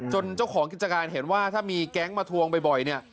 เจ้าของกิจการเห็นว่าถ้ามีแก๊งมาทวงบ่อยเนี่ย